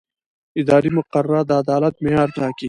اداري مقررات د عدالت معیار ټاکي.